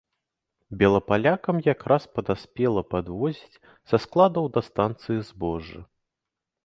Белапалякам якраз падаспела падвозіць са складаў да станцыі збожжа.